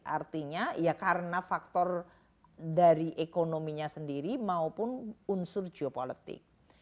artinya ya karena faktor dari ekonominya sendiri maupun unsur geopolitik